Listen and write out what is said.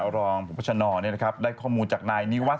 รองพบชนได้ข้อมูลจากนายนิวัฒ